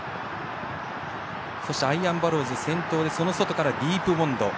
そしてアイアンバローズ先頭でその外からディープボンド。